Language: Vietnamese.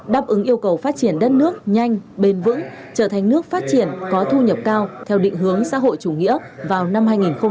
đáp ứng yêu cầu phát triển đất nước nhanh bền vững trở thành nước phát triển có thu nhập cao theo định hướng xã hội chủ nghĩa vào năm hai nghìn ba mươi